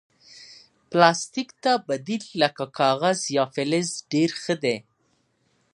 پلاستيک ته بدیل لکه کاغذ یا فلز ډېر ښه دی.